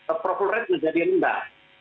approval rate menjadi rendah